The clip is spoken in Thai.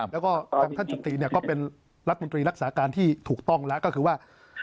แล้วก็ทางท่านจุติเนี่ยก็เป็นรัฐมนตรีรักษาการที่ถูกต้องแล้วก็คือว่า